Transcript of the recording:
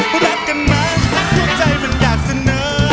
รักกันมาหัวใจมันอยากเสนอ